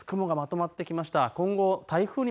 雲がまとまってきました。